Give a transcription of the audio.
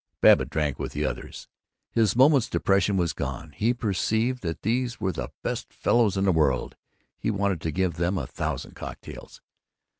_ Babbitt drank with the others; his moment's depression was gone; he perceived that these were the best fellows in the world; he wanted to give them a thousand cocktails.